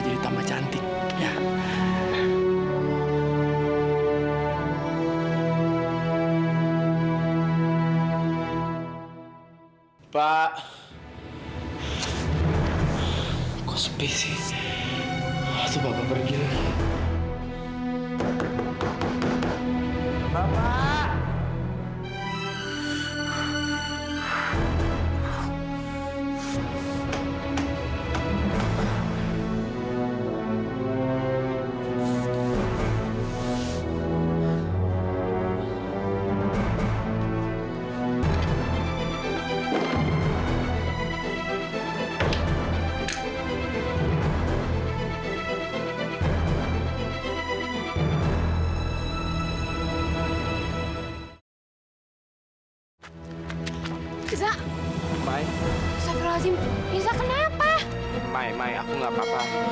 mai mai aku gak apa apa